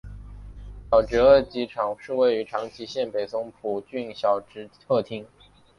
小值贺机场是位于长崎县北松浦郡小值贺町。